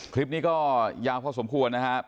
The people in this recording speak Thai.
คลิปนี้ก็ยาวพอสมควรนะครับ